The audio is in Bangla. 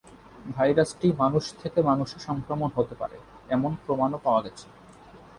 ভাইরাসটি মানুষ থেকে মানুষে সংক্রমণ হতে পারে, এমন প্রমাণও পাওয়া গেছে।